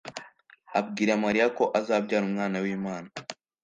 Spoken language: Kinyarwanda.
abwira mariya ko azabyara umwana w’imana.